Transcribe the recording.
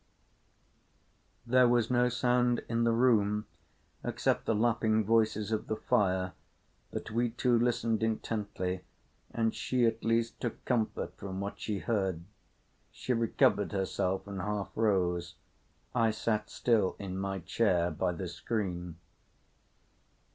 There was no sound in the room except the lapping voices of the fire, but we two listened intently, and she at least took comfort from what she heard. She recovered herself and half rose. I sat still in my chair by the screen.